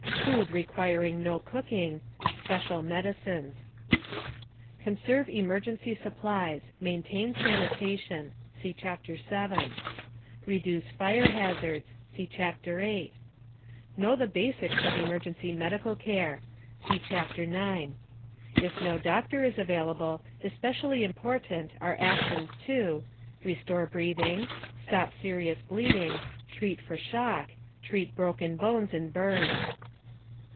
* Food requiring no cooking. * Special medicines. * CONSERVE EMERGENCY SUPPLIES; MAINTAIN SANITATION (See Chapter 7, page 45) * REDUCE FIRE HAZARDS (See Chapter 8, page 51) * KNOW THE BASICS OF EMERGENCY MEDICAL CARE (See Chapter 9, page 55) If no doctor is available, especially important are actions to: * Restore breathing. * Stop serious bleeding. * Treat for shock. * Treat broken bones and burns.